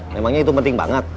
memangnya itu penting banget